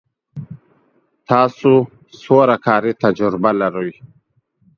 تاسو څومره کاري تجربه لرئ